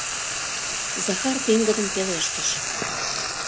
— Захар пеҥгыдын пелештыш.